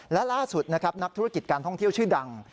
และล่าสุดนะครับนักธุรกิจการท่องเที่ยวชื่อดัง